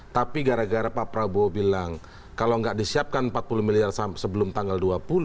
tapi gara gara pak prabowo bilang kalau nggak disiapkan empat puluh miliar sebelum tanggal dua puluh